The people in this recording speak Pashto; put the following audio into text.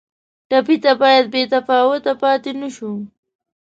ټپي ته باید بې تفاوته پاتې نه شو.